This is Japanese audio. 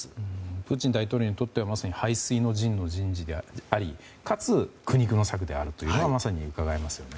プーチン大統領にとってはまさに背水の陣の人事でありかつ苦肉の策であるというのがまさに、うかがえますよね。